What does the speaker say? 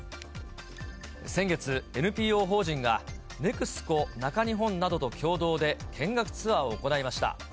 先月、ＮＰＯ法人がＮＥＸＣＯ中日本などと共同で見学ツアーを行いました。